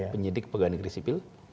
penyidik pegawai negeri sipil